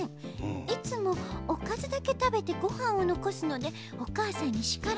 いつもおかずだけたべてごはんをのこすのでおかあさんにしかられます」。